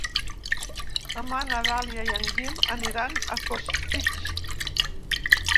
Demà na Dàlia i en Guim aniran a Costitx.